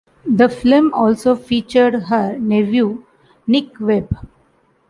The film also featured her nephew, Nick Webb.